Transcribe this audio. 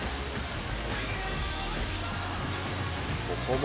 ここも。